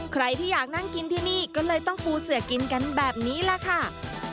ใครที่อยากนั่งกินที่นี่ก็เลยต้องปูเสือกินกันแบบนี้แหละค่ะ